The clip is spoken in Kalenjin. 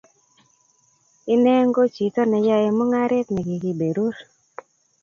Ine ko chito ne yae mungaret nekikiberur